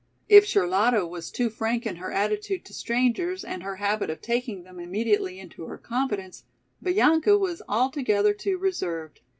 If Charlotta was too frank in her attitude to strangers and her habit of taking them immediately into her confidence, Bianca was altogether too reserved.